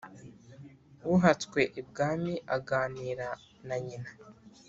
uhatswe ibwami aganira nanyina